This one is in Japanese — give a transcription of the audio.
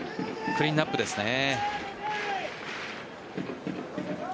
クリーンアップですね。